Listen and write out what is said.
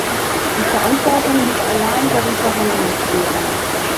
Die Verantwortung liegt allein bei den Verhandlungsführern.